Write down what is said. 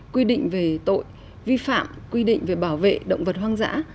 quy định về tội vi phạm quy định về bảo vệ động vật hoang dã